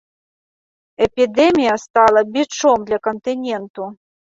Эпідэмія стала бічом для кантыненту.